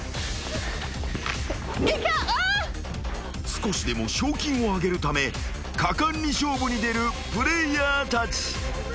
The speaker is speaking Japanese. ［少しでも賞金を上げるため果敢に勝負に出るプレイヤーたち］